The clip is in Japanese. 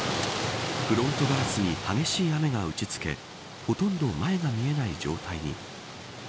フロントガラスに激しい雨が打ち付けほとんど前が見えない状態に。